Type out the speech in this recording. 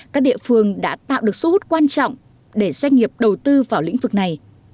các địa phương đã tạo được xu hút quan trọng để doanh nghiệp đầu tư vào lĩnh vực này